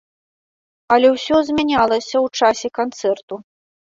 Але ўсё змянялася ў часе канцэрту.